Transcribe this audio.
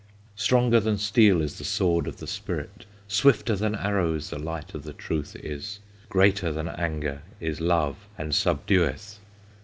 "Stronger than steel Is the sword of the Spirit; Swifter than arrows The light of the truth is, Greater than anger Is love, and subdueth!